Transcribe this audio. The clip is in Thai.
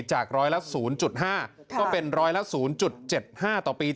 จาก๑๐๐ละ๐๕ก็เป็น๑๐๐ละ๐๗๕ต่อปี